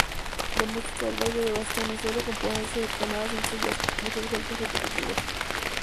La música del baile de bastones suele componerse de tonadas sencillas, muchos golpes repetitivos.